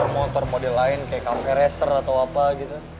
motor model lain kayak cafe racer atau apa gitu